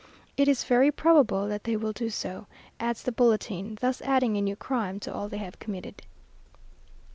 "It is very probable that they will do so," adds the bulletin; thus adding a new crime to all they have committed.